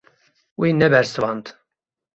Wî nebersivand.